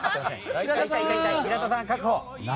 平田さん、確保！